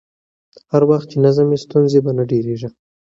هر وخت چې نظم وي، ستونزې به نه ډېرېږي.